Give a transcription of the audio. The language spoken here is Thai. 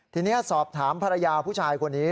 ทีนี้สอบถามภรรยาผู้ชายคนนี้